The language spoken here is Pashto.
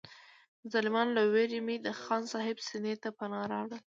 د ظالمانو له وېرې مې د خان صاحب سینې ته پناه راوړله.